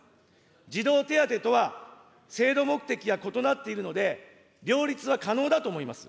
児童手当とは制度目的は異なっているので、両立は可能だと思います。